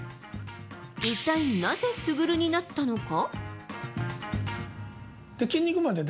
一体、なぜスグルになったのか。